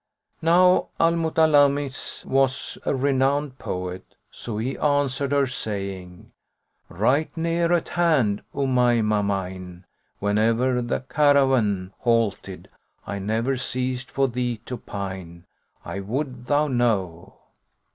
Now Al Mutalammis was a renowned poet; so he answered her saying; "Right near at hand, Umaymah mine! when'er the caravan * Halted, I never ceased for thee to pine, I would thou know."